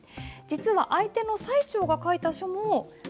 実は相手の最澄が書いた書もあります。